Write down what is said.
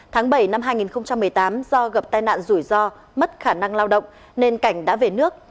tháng bảy năm hai nghìn một mươi tám do gặp tai nạn rủi ro mất khả năng lao động nên cảnh đã về nước